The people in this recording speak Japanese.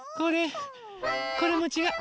これもちがう。